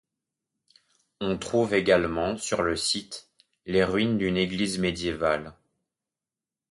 On trouve également sur le site les ruines d'une église médiévale.